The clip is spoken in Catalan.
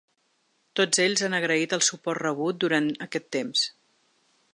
Tots ells han agraït el suport rebut durant aquest temps.